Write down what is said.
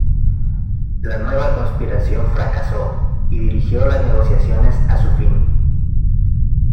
La nueva conspiración fracasó y dirigió las negociaciones a su fin.